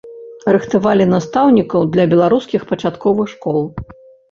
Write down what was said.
Рыхтавалі настаўнікаў для беларускіх пачатковых школ.